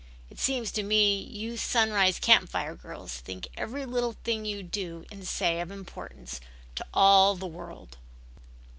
It seems to me you Sunrise Camp Fire girls think every little thing you do and say of importance to all the world."